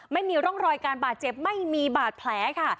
ไม่มีร่องรอยการบาดเจ็บไม่มีบาดแผลค่ะ